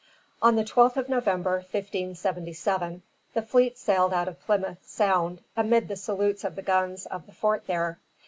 On the 12th of November, 1577, the fleet sailed out of Plymouth Sound amid the salutes of the guns of the fort there.